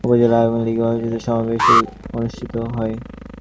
পরে শহীদ মঞ্জুর স্টেডিয়ামে উপজেলা আওয়ামী লীগ আয়োজিত সমাবেশ অনুষ্ঠিত হয়।